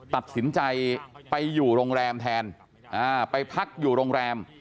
ตัดสินใจไปอยู่โรงแรมแทนไปพักอยู่โรงแรม